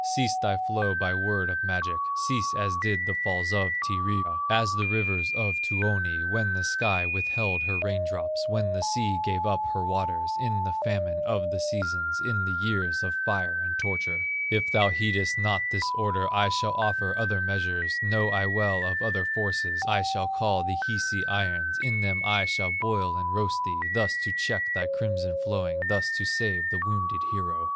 "Cease thy flow, by word of magic, Cease as did the falls of Tyrya, As the rivers of Tuoni, When the sky withheld her rain drops, When the sea gave up her waters, In the famine of the seasons, In the years of fire and torture. If thou heedest not this order, I shall offer other measures, Know I well of other forces; I shall call the Hisi irons, In them I shall boil and roast thee, Thus to check thy crimson flowing, Thus to save the wounded hero.